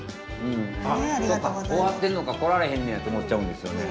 あそうか終わってんのかこられへんのやって思っちゃうんですよね。